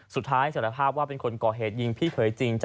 สุดท้ายแสดงคิดว่าเหตุคนก่อเหตุยิงพี่เขยจริง